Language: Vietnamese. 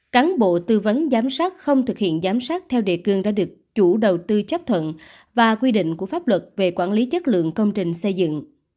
cán bộ tư vấn giám sát không thực hiện giám sát theo đề cương đã được chủ đầu tư chấp thuận và quy định của pháp luật về quản lý chất lượng công trình xây dựng